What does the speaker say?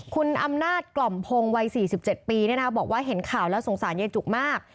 คุณอำนาจกล่อมพงศ์วัย๔๗ปีบอกว่าเห็นข่าวแล้วสงสารยายจุกมาก